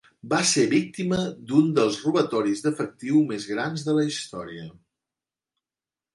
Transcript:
Va ser víctima d'un dels robatoris d'efectiu més grans de la història.